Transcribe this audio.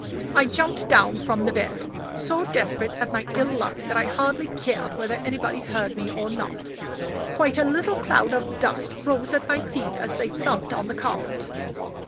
I jumped down from the bed, so desperate at my ill luck that I hardly cared whether anybody heard me or not. Quite a little cloud of dust rose at my feet as they thumped on the carpet.